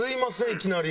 いきなり。